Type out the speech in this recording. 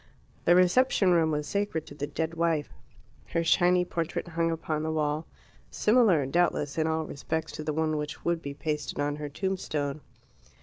The reception room was sacred to the dead wife. Her shiny portrait hung upon the wall similar, doubtless, in all respects to the one which would be pasted on her tombstone.